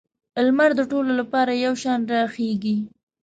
لمر د ټولو لپاره یو شان راخیږي.